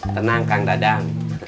tenang kang dadang